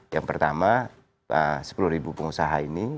yang pertama sepuluh pengusaha ini